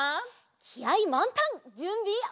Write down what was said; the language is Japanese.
きあいまんたんじゅんびオッケー！